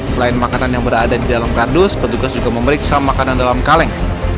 selain makanan yang berada di dalam kardus petugas juga memeriksa makanan dalam kaleng